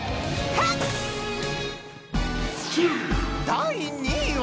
［第２位は］